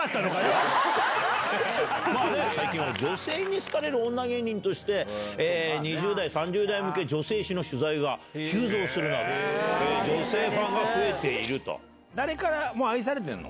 最近は女性に好かれる女芸人として、２０代、３０代向け女性誌の取材が急増するなど、女性ファンが増えている誰からも愛されてんの？